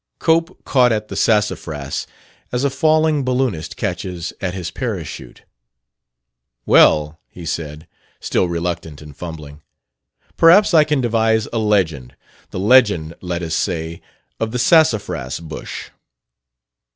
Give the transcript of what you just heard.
Cope caught at the sassafras as a falling balloonist catches at his parachute. "Well," he said, still reluctant and fumbling, "perhaps I can devise a legend: the Legend, let us say, of the Sassafras Bush."